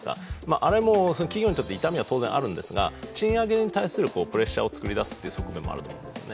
あれも企業にとって痛みは当然あるんですが、賃上げに対するプレッシャーを作る出すという側面もあると思うんですね。